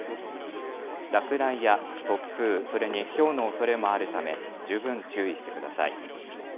落雷や突風、それにひょうのおそれもあるため十分注意してください。